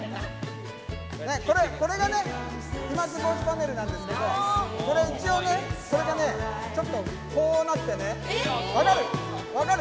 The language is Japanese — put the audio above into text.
これ、これがね、飛まつ防止パネルなんですけど、これ、一応ね、これでね、ちょっとこうなってね、分かる？